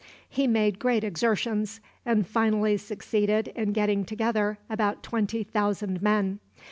He made great exertions, and finally succeeded in getting together about twenty thousand men.